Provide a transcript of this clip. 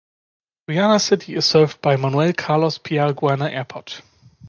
Guayana City is served by Manuel Carlos Piar Guayana Airport.